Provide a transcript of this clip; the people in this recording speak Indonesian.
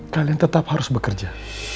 kalian tetap harus bekerja